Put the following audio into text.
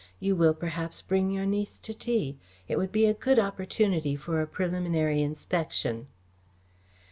You will, perhaps, bring your niece to tea. It would be a good opportunity for a preliminary inspection."